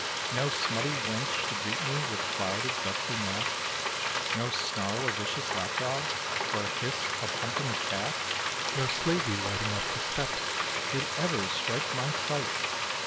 No smutty wench to greet me with cloud of dusty mat! No snarl of vicious lap dog, or hiss of humping cat! No slavey whiting up the steps, did ever strike my sight!